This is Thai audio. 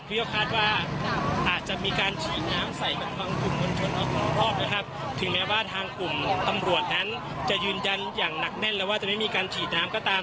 ที่ก็คาดว่าอาจจะมีการฉีดน้ำใส่กับทางกลุ่มมวลชนทั้งสองรอบนะครับถึงแม้ว่าทางกลุ่มตำรวจนั้นจะยืนยันอย่างหนักแน่นแล้วว่าจะไม่มีการฉีดน้ำก็ตาม